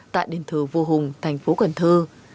tại điện thờ vua hùng thành phố cần thơ